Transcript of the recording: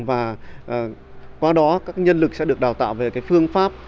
và qua đó các nhân lực sẽ được đào tạo về phương pháp